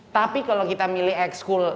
tapi jika kita memilih sekolah